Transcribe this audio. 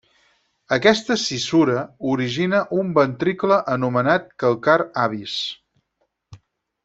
Aquesta cissura origina un ventricle anomenat calcar avis.